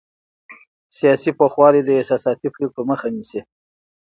سیاسي پوخوالی د احساساتي پرېکړو مخه نیسي